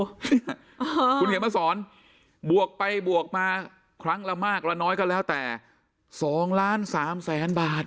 คุณเขียนมาสอนบวกไปบวกมาครั้งละมากละน้อยก็แล้วแต่๒ล้าน๓แสนบาท